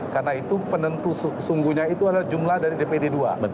karena itu penentu sungguhnya itu adalah jumlahnya